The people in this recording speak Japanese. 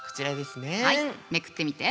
はいめくってみて。